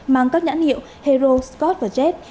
mang các nhãn hiệu hero scott và jet